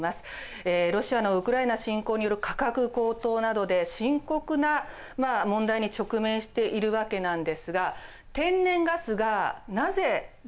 ロシアのウクライナ侵攻による価格高騰などで深刻な問題に直面しているわけなんですが天然ガスがなぜ重要なのか。